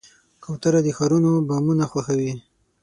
کوتره د ښارونو بامونه خوښوي.